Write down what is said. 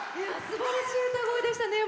すばらしい歌声でしたね。